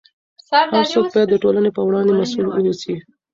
هر څوک باید د ټولنې په وړاندې مسؤل واوسي.